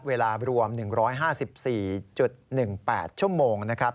เวลารวม๑๕๔๑๘ชั่วโมงนะครับ